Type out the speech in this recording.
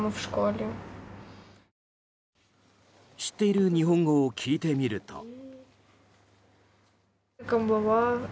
知っている日本語を聞いてみると。